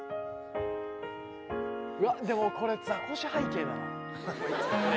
わっでもこれザコシ背景だなこれ？